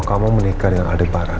bahwa kamu menikah dengan aldebaran